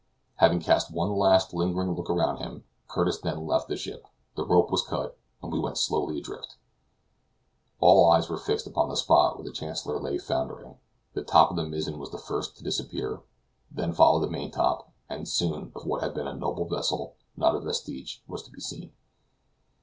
Having cast one last, lingering look around him, Curtis then left the ship; the rope was cut, and we went slowly adrift. All eyes were fixed upon the spot where the Chancellor lay foundering. The top of the mizzen was the first to disappear, then followed the main top; and soon, of what had been a noble vessel, not a vestige was to be seen.